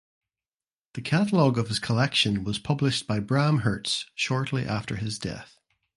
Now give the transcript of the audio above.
The catalog of his collection was published by Bram Hertz shortly after his death.